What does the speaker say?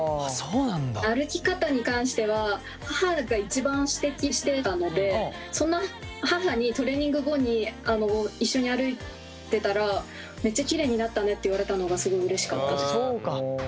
歩き方に関しては母が一番指摘してたのでその母にトレーニング後に一緒に歩いてたらめっちゃきれいになったねって言われたのがすごいうれしかったです。